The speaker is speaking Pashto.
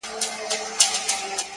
دی هم پټ روان پر لور د هدیرې سو،